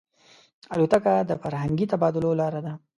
الوتکه د فرهنګي تبادلو لاره ده.